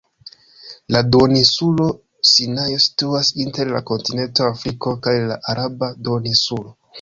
La duoninsulo Sinajo situas inter la kontinento Afriko kaj la Araba duoninsulo.